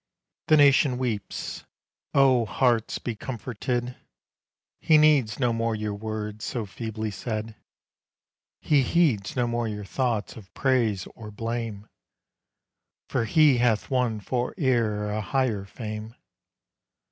The nation weeps; O hearts be comforted! He needs no more your words, so feebly said; He heeds no more your thoughts of praise or blame, For he hath won for'er a higher fame.